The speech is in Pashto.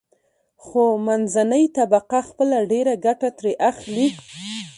خو منځنۍ طبقه خپله ډېره ګټه ترې اخلي.